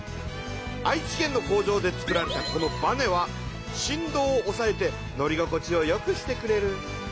愛知県の工場で作られたこのバネはしん動をおさえて乗りごこちをよくしてくれる。